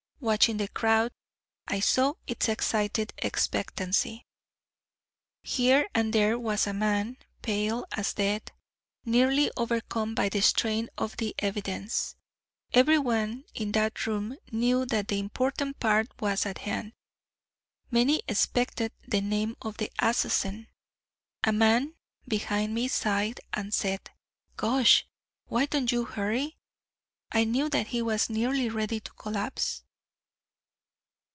Watching the crowd, I saw its excited expectancy. Here and there was a man, pale as death, nearly overcome by the strain of the evidence. Everyone in that room knew that the important part was at hand. Many expected the name of the assassin. A man behind me sighed and said: "Gosh! why don't you hurry?" I knew that he was nearly ready to collapse.